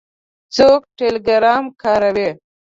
څوک ټیلیګرام کاروي؟